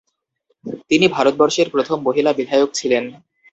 তিনি ভারতবর্ষের প্রথম মহিলা বিধায়ক ছিলেন।